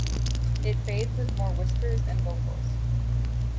It fades with more whispers and vocals.